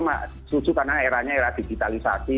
menuju karena eranya digitalisasi